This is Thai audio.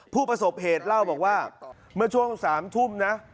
ผู้ประสบเหตุเล่าบอกว่าเมื่อช่วง๓ทุ่มนะ